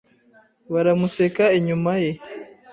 Baramuseka inyuma ye.